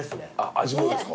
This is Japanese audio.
味もですか？